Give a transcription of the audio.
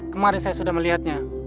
kemari saya sudah melihatnya